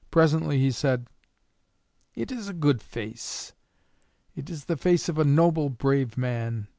Presently he said: "It is a good face. It is the face of a noble, brave man.